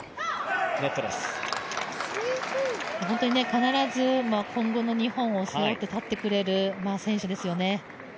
必ず今後の日本を背負って立ってくれる選手ですよね。